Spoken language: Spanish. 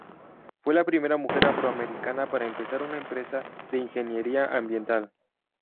Fue la primera mujer afroamericana para empezar una empresa de ingeniería ambiental.